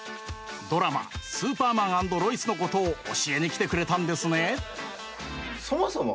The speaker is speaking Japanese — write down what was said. ドラマ「スーパーマン＆ロイス」のことを教えに来てくれたんですね。